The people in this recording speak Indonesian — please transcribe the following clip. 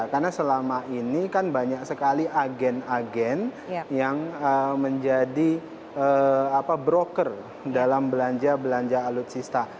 karena selama ini kan banyak sekali agen agen yang menjadi broker dalam belanja belanja alutsista